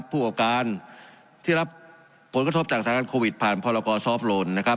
ผู้ออกการที่รับผลกระทบจากสถานการณ์โควิดผ่านพรกรซอฟต์โลนนะครับ